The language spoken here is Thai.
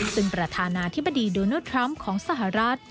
ซึ่งประธานาธิบดีโดนัลดทรัมป์ของสหรัฐ